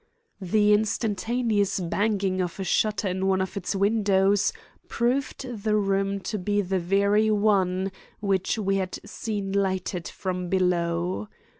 The instantaneous banging of a shutter in one of its windows proved the room to be the very one which we had seen lighted from below.